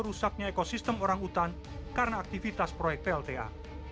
pertama perusahaan yang diperlukan oleh pemerintah untuk menghentikan sistem orang utan karena aktivitas proyek plta